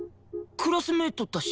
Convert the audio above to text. クラスメートだし。